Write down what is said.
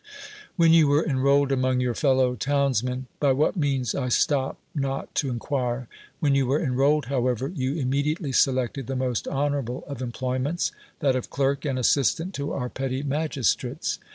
When you were enrolled among your fellow townsmen — by what means ,1 stop not to inquire — wlun you were enrolled, however, you immedi ately selected the most honorable of employ munts. that of clerk and assistant to our petty magistrates.